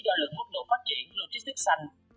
cho lượng mức độ phát triển logistics xanh